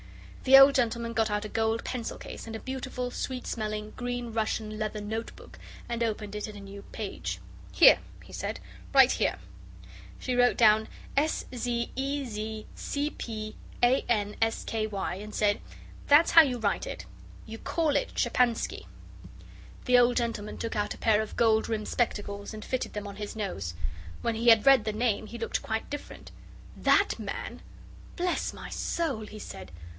The old gentleman got out a gold pencil case and a beautiful, sweet smelling, green Russian leather note book and opened it at a new page. "Here," he said, "write here." She wrote down "Szezcpansky," and said: "That's how you write it. You CALL it Shepansky." The old gentleman took out a pair of gold rimmed spectacles and fitted them on his nose. When he had read the name, he looked quite different. "THAT man? Bless my soul!" he said.